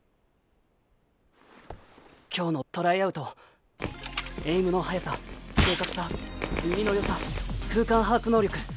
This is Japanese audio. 今日のトライアウトエイムの速さ正確さ耳の良さ空間把握能力